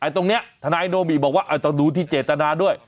ตรงนี้ทนายโนบิบอกว่าต้องดูที่เจตนาด้วย